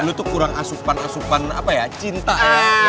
lo tuh kurang asupan asupan apa ya cinta ya